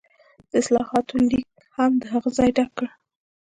د اصلاحاتو لیګ هم د هغه ځای ډک کړ.